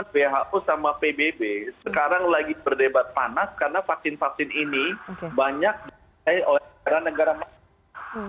who sama pbb sekarang lagi berdebat panas karena vaksin vaksin ini banyak dipakai oleh negara negara maju